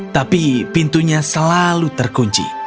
tapi pintunya selalu terkunci